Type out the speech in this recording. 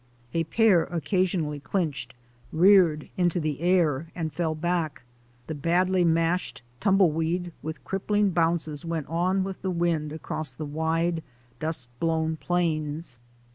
A pair occasionally clinched, reared into the air, and fell back. The badly mashed tumbleweed with crippling bounces went on with the wind across the wide, dust blown plains.